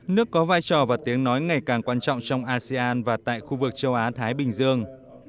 nước có vai trò và tiếng nói ngày càng quan trọng trong asean và tại khu vực châu á thái bình dương